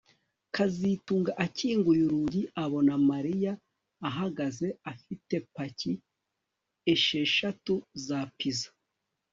kazitunga akinguye urugi abona Mariya ahagaze afite paki esheshatu na pizza